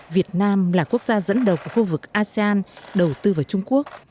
việt nam là quốc gia dẫn đầu khu vực asean đầu tư vào trung quốc